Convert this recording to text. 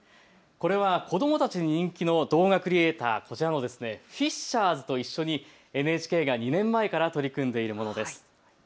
これは子どもたちに人気の動画クリエーター、フィッシャーズと一緒にＮＨＫが２年前から取り組んでいるものです。